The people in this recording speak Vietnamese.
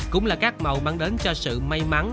cũng là các màu mang đến cho sự may mắn